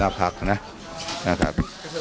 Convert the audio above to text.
เอาอีกเหรอ